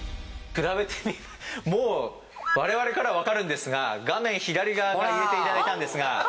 比べてもうわれわれからは分かるんですが画面左側が入れていただいたんですが。